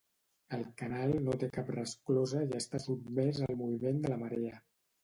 El canal no té cap resclosa i està sotmès al moviment de la marea.